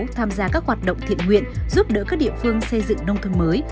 tham gia các hoạt động thiện nguyện giúp đỡ các địa phương xây dựng nông thôn mới